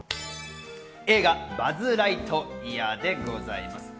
映画『バズ・ライトイヤー』でございます。